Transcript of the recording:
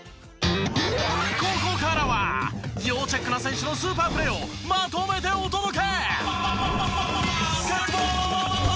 ここからは要チェックな選手のスーパープレーをまとめてお届け！